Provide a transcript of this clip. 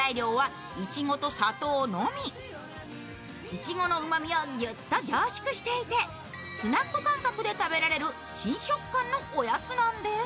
いちごのうまみをギュッと凝縮していてスナック感覚で食べられる新食感のおやつなんです。